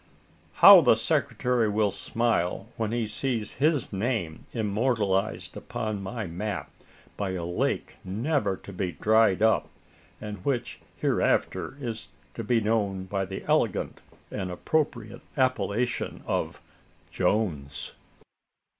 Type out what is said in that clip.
'" "How the secretary will smile, when he sees his name immortalised upon my map, by a lake never to be dried up, and which hereafter is to be known by the elegant and appropriate appellation of `Jones!'"